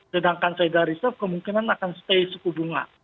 sedangkan cyber reserve kemungkinan akan stay suku bunga